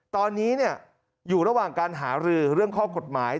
ตอนนี้อยู่ระหว่างการหารือเรื่องข้อกฎหมาย